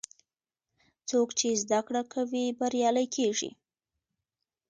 څوک چې زده کړه کوي، بریالی کېږي.